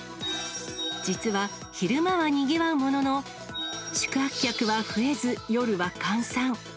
実は、昼間はにぎわうものの、宿泊客は増えず、夜は閑散。